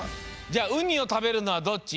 じゃあウニを食べるのはどっち？